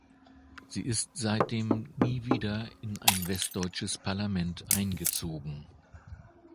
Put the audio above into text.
Sie ist seitdem nie wieder in ein westdeutsches Parlament eingezogen.